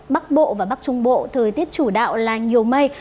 bắc bộ và bắc trung bộ thời tiết chủ đạo là nhiều mây